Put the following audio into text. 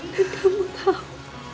dan kamu tahu